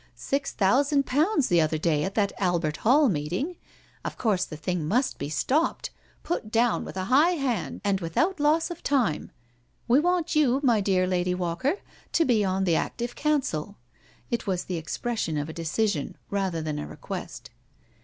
Six thousand pounds the other day at that Albert Hall meeting I Of course the thing must be stopped — put down with a high hand and without loss of time. We want you, my dear Lady Walker, to be on the active council." It was the expression of a decision, rather than a request.